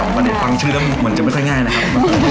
ข้อมูลก็เนี่ยฟังชื่อมันจะไม่ค่อยง่ายนะครับ